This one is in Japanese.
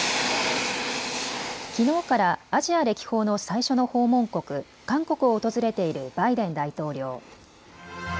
きのうからアジア歴訪の最初の訪問国、韓国を訪れているバイデン大統領。